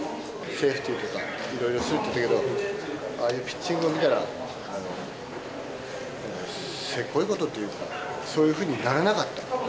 セーフティーとか、いろいろするって言ってたけど、ああいうピッチングを見たら、せこいことっていうか、そういうふうにならなかった。